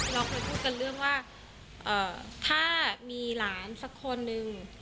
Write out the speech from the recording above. เราเคยพูดกันเรื่องว่าถ้ามีหลานสักคนนึง